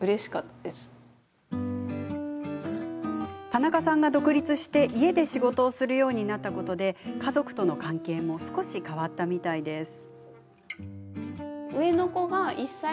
田中さんが独立して、家で仕事をするようになったことで家族との関係も少し変わったみたいです。